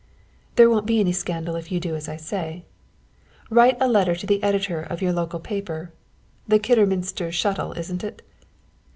"There won't be any scandal if you do as I say. Write a letter to the editor of your local paper The Kidderminster Shuttle, isn't it?